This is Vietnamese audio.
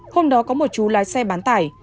hôm đó có một chú lái xe bán tải